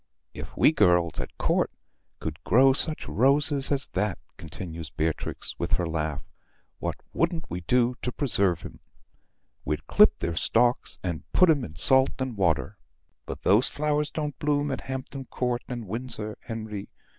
"If we girls at Court could grow such roses as that," continues Beatrix, with her laugh, "what wouldn't we do to preserve 'em? We'd clip their stalks and put 'em in salt and water. But those flowers don't bloom at Hampton Court and Windsor, Henry."